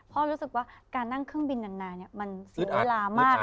รู้สึกว่าการนั่งเครื่องบินนานมันเสียเวลามาก